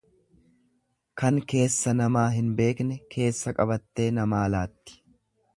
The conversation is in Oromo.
Kan keessa namaa hin beekne keessa qabattee namaa laatti.